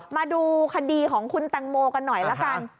มาดูคดีของคุณแตงโมกันหน่อยละกัน